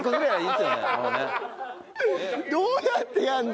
どうやってやるの？